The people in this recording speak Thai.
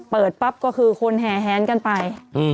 เปิดปั๊บก็คือคนแห่แหนกันไป